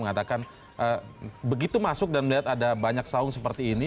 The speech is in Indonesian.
mengatakan begitu masuk dan melihat ada banyak saung seperti ini